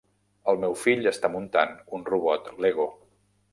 El meu fill està muntant un robot Lego.